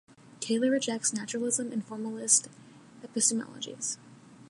Taylor rejects naturalism and formalist epistemologies.